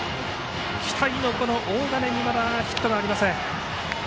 期待の大金にまだヒットがありません。